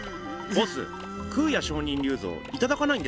ボス空也上人立像いただかないんですか？